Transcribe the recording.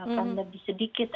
akan lebih sedikit